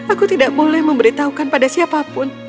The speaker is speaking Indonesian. aku tidak boleh memberitahukan pada siapapun